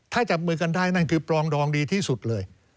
ถ้าจับมือกันได้นั่นคือปรองดองดีที่สุดเลย